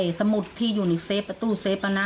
เอาสมุทรที่อยู่ในเซฟประตูเซฟนะ